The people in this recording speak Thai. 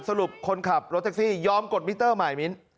สรุปคนขับรถแท็กซี่ยอมกดมิเตอร์ใหม่มิ้น